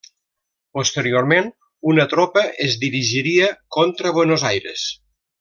Posteriorment una tropa es dirigiria contra Buenos Aires.